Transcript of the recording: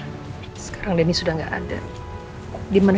ini saya juga saya watak bagaimana